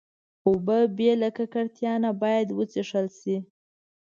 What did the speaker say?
اوبه بې له ککړتیا نه باید وڅښل شي.